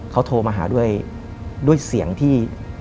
เขาโทรมาหาด้วยเสียงที่